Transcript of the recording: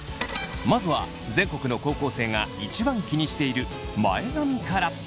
まずは全国の高校生が１番気にしている前髪から。